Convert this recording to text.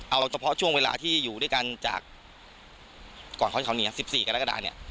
เอาเฉพาะช่วงเวลาที่อยู่ด้วยกันจากก่อนเขาเขาเหนียว๑๔กันแล้วก็ด่าเนี่ย